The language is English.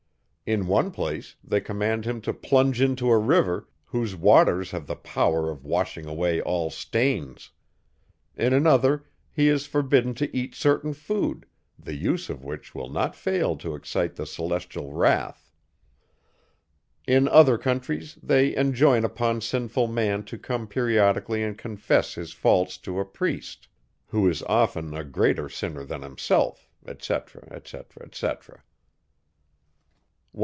In one place, they command him to plunge into a river, whose waters have the power of washing away all stains; in another, he is forbidden to eat certain food, the use of which will not fail to excite the celestial wrath; in other countries, they enjoin upon sinful man to come periodically and confess his faults to a priest, who is often a greater sinner than himself, etc., etc., etc. 154.